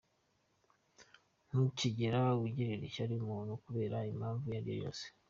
Ntukigere ugirira ishyari umuntu kubera impamvu iyo ariyo yose.